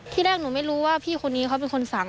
ที่แรกหนูไม่รู้ว่าพี่คนนี้เขาเป็นคนสั่ง